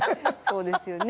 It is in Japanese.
そうですよね。